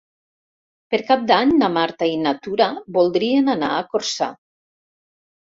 Per Cap d'Any na Marta i na Tura voldrien anar a Corçà.